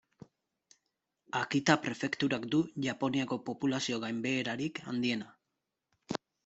Akita prefekturak du Japoniako populazio-gainbeherarik handiena.